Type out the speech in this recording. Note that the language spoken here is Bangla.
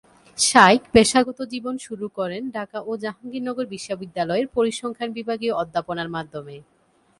শাইখ পেশাগত জীবন শুরু করেন ঢাকা ও জাহাঙ্গীরনগর বিশ্ববিদ্যালয়ের পরিসংখ্যান বিভাগে অধ্যাপনার মাধ্যমে।